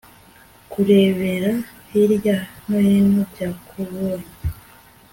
kurebera hirya no hino byakubonye